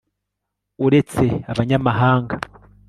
uretse abanyamahanga